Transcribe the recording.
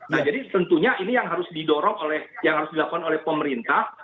nah jadi tentunya ini yang harus dilakukan oleh pemerintah